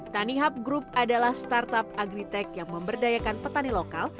tanihub group adalah startup agritech yang memberdayakan petani lokal